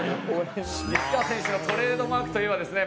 西川選手のトレードマークといえばですね